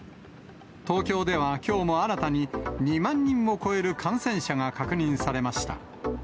東京ではきょうも新たに２万人を超える感染者が確認されました。